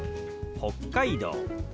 「北海道」。